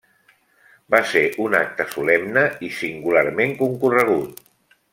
Va ser un acte solemne i singularment concorregut.